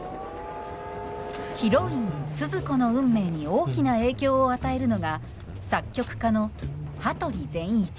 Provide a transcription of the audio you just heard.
ヒロインスズ子の運命に大きな影響を与えるのが作曲家の羽鳥善一。